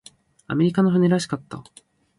アメリカの船らしかった。